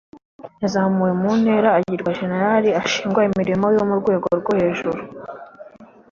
yazamuwe mu ntera agirwa jenerali ashingwa imirimo yo mu rwego rwo hejuru